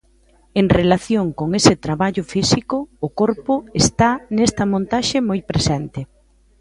En relación con ese traballo físico, o corpo está nesta montaxe moi presente.